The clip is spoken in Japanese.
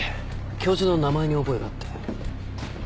教授の名前に覚えがあって。